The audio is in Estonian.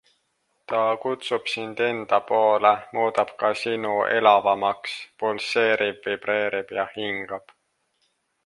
Ta kutsub sind enda poole, muudab ka sinu elavamaks, pulseerib-vibreerib ja hingab.